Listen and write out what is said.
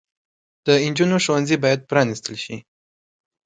د انجونو ښوونځي بايد پرانستل شي